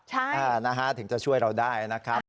ใช่นะฮะถึงจะช่วยเราได้นะครับ